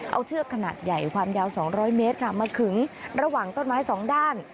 เอาเชือกขนาดใหญ่ความยาว๒๐๐เมตรค่ะมาขึงระหว่างต้นไม้สองด้าน